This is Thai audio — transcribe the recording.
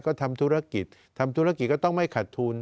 ก็ทำธุรกิจทำธุรกิจก็ต้องไม่ขัดทุน